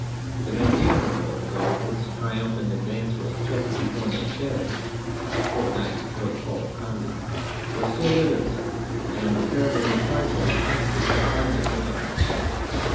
The Vendean revolt, though its triumphant advance was checked before Nantes a fort night before the fall of Conde, was still vigorous, and the terrible reprisals against it were hardly begun.